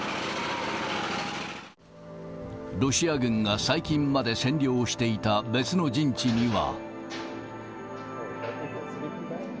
ロシア軍が最近まで占領していた別の陣地には。